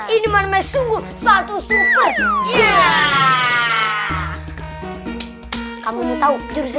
ini manggung suku sukuh